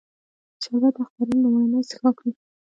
شربت د اخترونو لومړنی څښاک وي